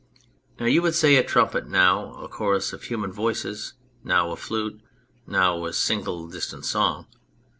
Now you would say a trumpet, now a chorus of human voices, now a flute, now a single distant song.